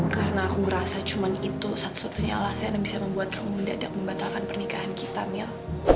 karena aku ngerasa cuma itu satu satunya alasan yang bisa membuat kamu mendadak membatalkan pernikahan kita mil